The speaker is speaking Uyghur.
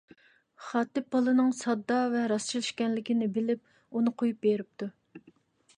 خاتىپ بالىنىڭ ساددا ۋە راستچىل ئىكەنلىكىنى بىلىپ ئۇنى قويۇپ بېرىپتۇ.